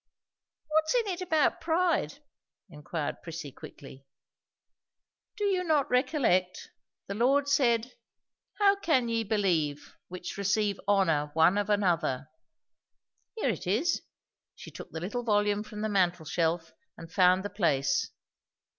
"What's in it about pride?" inquired Prissy quickly. "Do you not recollect? The Lord said, 'How can ye believe, which receive honour one of another.' Here it is." She took the little volume from the mantel shelf and found the place.